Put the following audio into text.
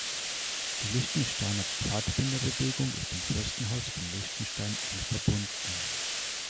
Die Liechtensteiner Pfadfinderbewegung ist dem Fürstenhaus von Liechtenstein eng verbunden.